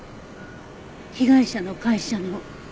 被害者の会社の？